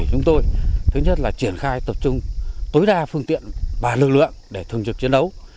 chúng tôi thứ nhất là triển khai tập trung tối đa phương tiện và lực lượng để thường trực chiến đấu